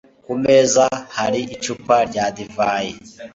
Ku meza hari icupa rya divayi.